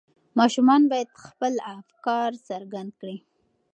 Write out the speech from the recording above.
ماشومان باید خپل افکار څرګند کړي.